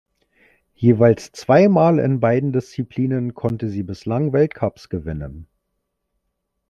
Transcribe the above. Jeweils zweimal in beiden Disziplinen konnte sie bislang Weltcups gewinnen.